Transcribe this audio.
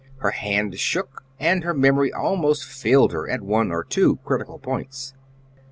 Her hand shook, and her memory almost failed her at one or two critical points.